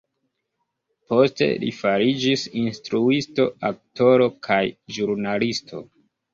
Poste li fariĝis instruisto, aktoro kaj ĵurnalisto.